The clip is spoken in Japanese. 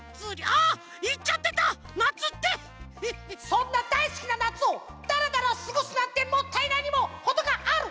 そんなだいすきななつをダラダラすごすなんてもったいないにもほどがある！